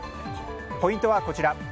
ポイントはこちら。